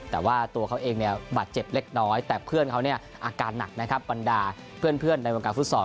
แต่ว่าตัวเขาเองเนี่ยบาดเจ็บเล็กน้อยแต่เพื่อนเขาเนี่ยอาการหนักนะครับบรรดาเพื่อนในวงการฟุตซอล